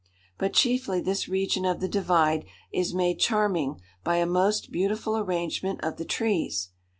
But chiefly this region of the divide is made charming by a most beautiful arrangement of the trees.